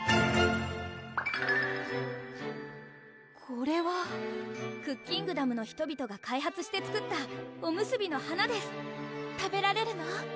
これはクッキングダムの人々が開発して作ったおむすびの花です食べられるの？